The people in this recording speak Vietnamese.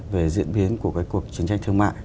về diễn biến của cái cuộc chiến tranh thương mại